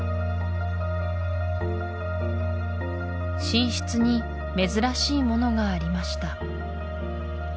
寝室に珍しいものがありました